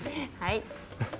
はい。